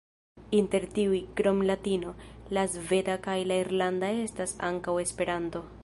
Inter tiuj, krom latino, la sveda kaj la irlanda estas ankaŭ Esperanto.